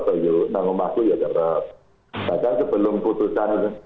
bahkan sebelum putusan